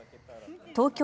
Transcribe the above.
東京